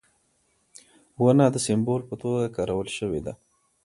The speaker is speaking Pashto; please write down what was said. ونه د سمبول په توګه کارول شوې ده.